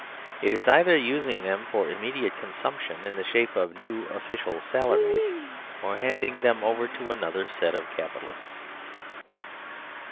It is either usingthem for immediateconsumptionin the shape of new official salaries or handing them over to another set of Capitalists.